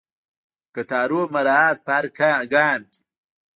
د قطارونو مراعات په هر ګام کې.